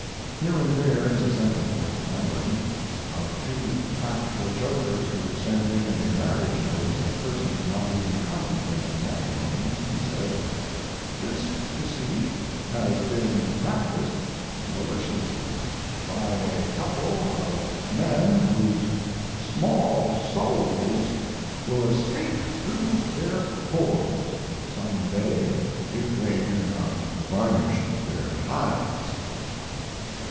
Here and there is a sentence worth remembering. Of two practical jokers who sent in a marriage notice of persons not even contemplating matrimony, he said: "This deceit has been practised maliciously by a couple of men whose small souls will escape through their pores some day if they do not varnish their hides."